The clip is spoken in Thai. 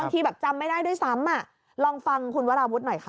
ถามนิสัยนะคะ